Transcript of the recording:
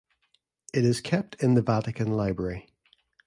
It is kept in the Vatican Library.